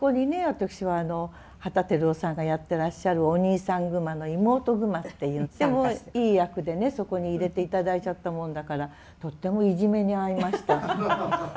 私は旗照夫さんがやってらっしゃるお兄さんグマの妹グマっていうとってもいい役でねそこに入れて頂いちゃったもんだからとってもいじめに遭いました。